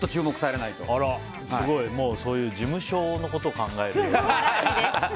すごいそういう事務所のことを考える。